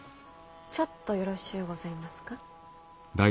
ちょっとよろしゅうございますか？